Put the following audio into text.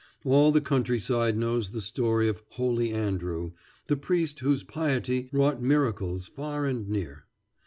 All the country side knows the story of "Holy Andrew," the priest whose piety wrought miracles far and near.